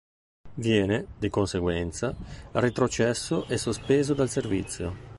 Viene, di conseguenza, retrocesso e sospeso dal servizio.